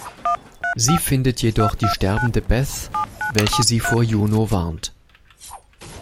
Sie findet jedoch die sterbende Beth, welche sie vor Juno warnt.